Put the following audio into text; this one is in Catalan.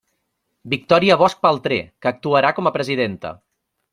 Victòria Bosch Paltré, que actuarà com a presidenta.